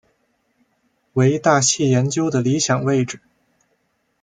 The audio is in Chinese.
为大气研究的理想位置。